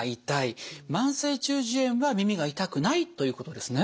慢性中耳炎は耳が痛くないということですね。